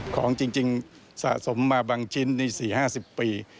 ของจริงสะสมมาบางชิ้นใน๔๕๐ปี